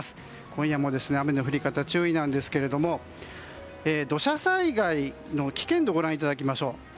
今夜も雨の降り方注意なんですが土砂災害の危険度をご覧いただきましょう。